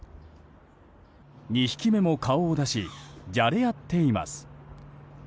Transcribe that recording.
２匹目も顔を出しじゃれ合っています。